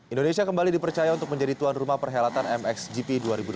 indonesia kembali dipercaya untuk menjadi tuan rumah perhelatan mxgp dua ribu dua puluh